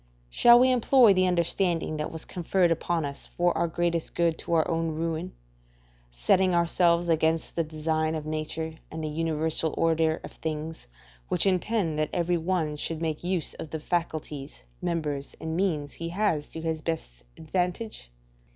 Shall we employ the understanding that was conferred upon us for our greatest good to our own ruin; setting ourselves against the design of nature and the universal order of things, which intend that every one should make use of the faculties, members, and means he has to his own best advantage?